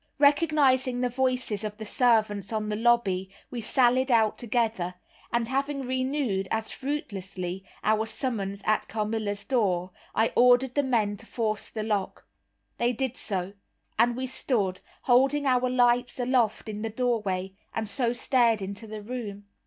Recognizing the voices of the servants on the lobby, we sallied out together; and having renewed, as fruitlessly, our summons at Carmilla's door, I ordered the men to force the lock. They did so, and we stood, holding our lights aloft, in the doorway, and so stared into the room.